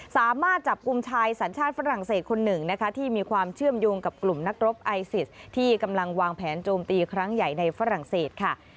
สามารถจับกลุ่มชายสัญชาติฝรั่งเศสคนหนึ่งนะคะที่มีความเชื่อมโยงกับกลุ่มนักรบไอซิสที่กำลังวางแผนโจมตีครั้งใหญ่ในฝรั่งเศสค่ะ